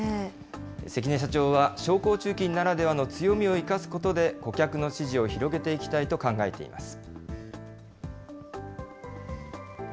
関根社長は商工中金ならではの強みを生かすことで、顧客の支持を広げていきたいと考えています。